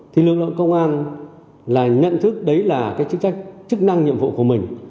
thì lực lượng công an là nhận thức đấy là cái chức năng nhiệm vụ của mình